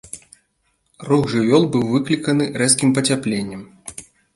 Рух жывёл быў выкліканы рэзкім пацяпленнем.